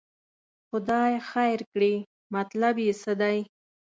خدای خیر کړي، مطلب یې څه دی.